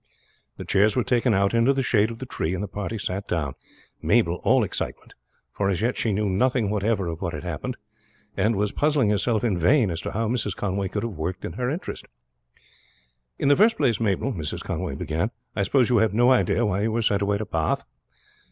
The chairs were taken out into the shade of the tree and the party sat down, Mabel all excitement, for as yet she knew nothing whatever of what had happened, and was puzzling herself in vain as to how Mrs. Conway could have been working in her interest. "In the first place, Mabel," Mrs. Conway began, "I suppose you have no idea why you were sent away to Bath?"